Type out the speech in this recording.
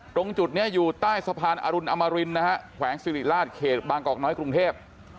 ตรงจุดนี้อยู่ใต้สะพานอรุณอมรินนะฮะแขวงสิริราชเขตบางกอกน้อยกรุงเทพ